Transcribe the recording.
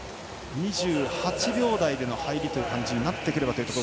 ２８秒台での入りという感じになればというところ。